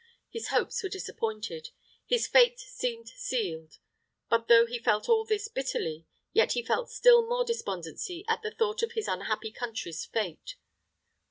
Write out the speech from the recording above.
His hopes were disappointed; his fate seemed sealed; but though he felt all this bitterly, yet he felt still more despondency at the thought of his unhappy country's fate.